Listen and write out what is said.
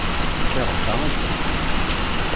Iṛebba aksum.